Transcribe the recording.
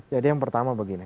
jadi yang pertama begini